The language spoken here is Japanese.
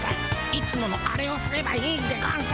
いつものアレをすればいいんでゴンス。